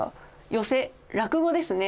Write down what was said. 寄席落語ですね。